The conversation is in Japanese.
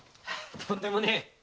とんでもねぇ。